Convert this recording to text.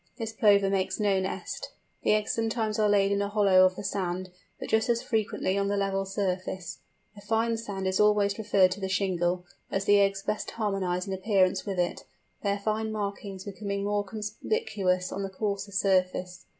This Plover makes no nest. The eggs sometimes are laid in a hollow of the sand, but just as frequently on the level surface. The fine sand is always preferred to the shingle, as the eggs best harmonize in appearance with it, their fine markings becoming more conspicuous on the coarser surface.